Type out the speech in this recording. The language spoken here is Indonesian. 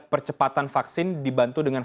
percepatan vaksin dibantu dengan